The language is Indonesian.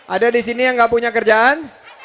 ada disini yang enggak punya kerjaan